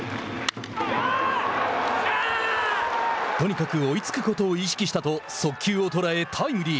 とにかく追いつくことを意識したと速球を捉えタイムリー。